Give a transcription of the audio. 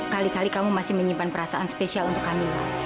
kali kali kamu masih menyimpan perasaan spesial untuk kami